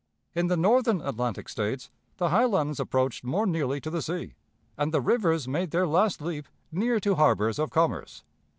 In the Northern Atlantic States the highlands approached more nearly to the sea, and the rivers made their last leap near to harbors of commerce.